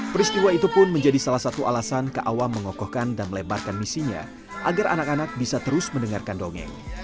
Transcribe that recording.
peristiwa itu pun menjadi salah satu alasan kaawam mengokohkan dan melebarkan misinya agar anak anak bisa terus mendengarkan dongeng